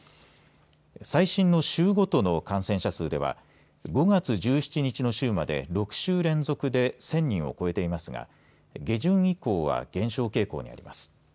最新の週ごとの感染者数では５月１７日の週まで６週連続で１０００人を超えていますが下旬以降は減少傾向にあります。